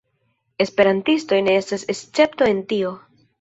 Esperantistoj ne estas escepto en tio.